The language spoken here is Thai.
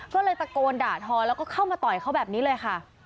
ก็เลยตะโกนด่าทอแล้วก็เข้ามาต่อยเขาแบบนี้เลยค่ะ